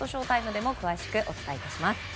ＳＨＯ‐ＴＩＭＥでも詳しくお伝えします。